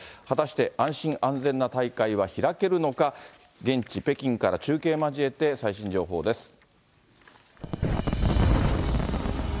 果たして安心・安全な大会は開けるのか、現地、北京から中継交えて最新情報です。